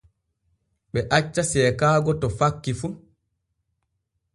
Ɓe acca seekaago to fakki fu.